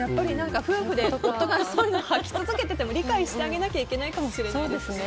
夫婦で夫がそういうのをはき続けてても理解してあげなきゃいけないかもしれないですね。